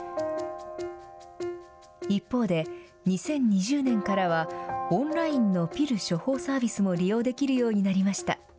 一方で、２０２０年からはオンラインのピル処方サービスも利用できるようになりました。